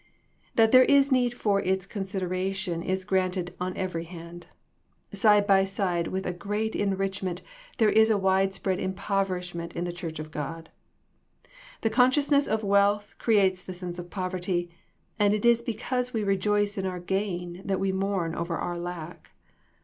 That there is need for its consideration is granted on every hand. Side by side with a great enrich ment there is a wide spread impoverishment in the Church of God. The consciousness of wealth creates the sense of poverty, and it is because we rejoice in our gain that we mourn over our lack.